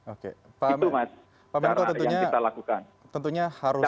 oke pak menko tentunya harus